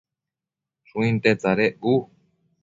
Shuinte tsadec u